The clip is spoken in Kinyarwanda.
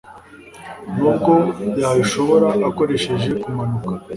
Nubwo yabishobora akoresheje kumanuka